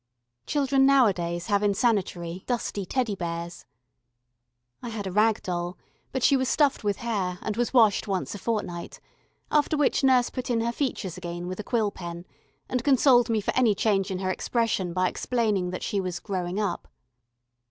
Children nowadays have insanitary, dusty Teddy Bears. I had a "rag doll," but she was stuffed with hair, and was washed once a fortnight, after which nurse put in her features again with a quill pen, and consoled me for any change in her expression by explaining that she was "growing up."